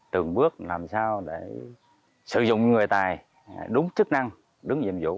từng bước làm sao để sử dụng người tài đúng chức năng đúng nhiệm vụ